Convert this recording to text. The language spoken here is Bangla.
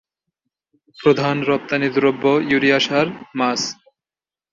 প্রধান রপ্তানিদ্রব্য ইউরিয়া সার, মাছ।